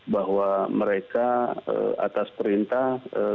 bahwa mereka atas perintah